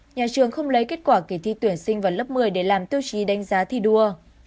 nhà trường không lấy kết quả kỳ thi tuyển sinh vào lớp một mươi để làm tiêu chí đánh giá thi đua